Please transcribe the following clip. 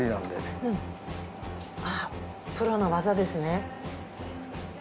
プロの技ですね。